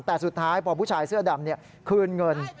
แต่สุดท้ายพอผู้ชายเสื้อดำคืนเงิน